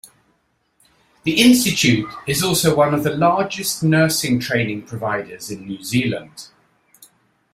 The Institute is also one of the largest nursing training providers in New Zealand.